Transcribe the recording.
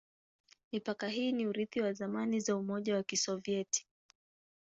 Mipaka hii ni urithi wa zamani za Umoja wa Kisovyeti.